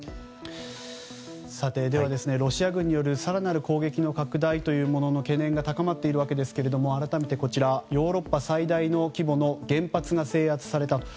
では、ロシア軍による更なる攻撃の拡大というものの懸念が高まっているわけですが改めてヨーロッパ最大の規模の原発が制圧された。